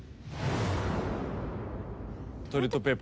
トイレットペーパー？